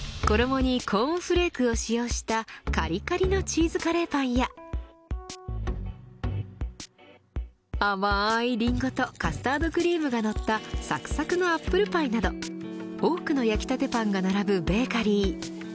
衣にコーンフレークを使用したかりかりのチーズカレーパンや甘いりんごとカスタードクリームがもったサクサクのアップルパイなど多くの焼きたてパンが並ぶベーカリー。